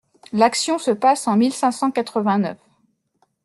L’action se passe en mille cinq cent quatre-vingt-neuf.